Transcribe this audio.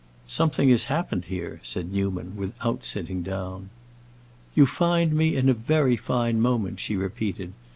"Something has happened here!" said Newman, without sitting down. "You find me in a very fine moment," she repeated.